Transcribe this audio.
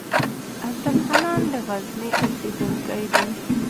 عبدالحنان د غزني اوسېدونکی دی.